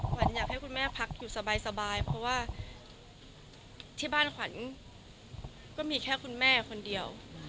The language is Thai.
ขวัญอยากให้คุณแม่พักอยู่สบายเพราะว่าที่บ้านขวัญก็มีแค่คุณแม่คนเดียว